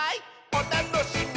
おたのしみ！」